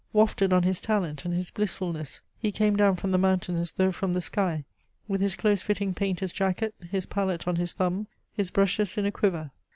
Wafted on his talent and his blissfulness, he came down from the mountain as though from the sky, with his close fitting painter's jacket, his pallet on his thumb, his brushes in a quiver.